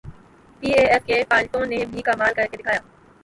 P A F کے پائلٹوں نے بھی کمال کرکے دکھایا۔